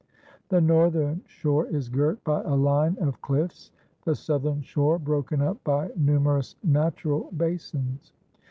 The northern shore is girt by a line of cliffs; the southern shore, broken up by numerous natural basins.